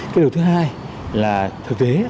cái điều thứ hai là thực tế